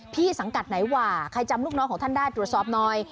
สังกัดไหนหว่าใครจำลูกน้องของท่านได้ตรวจสอบหน่อย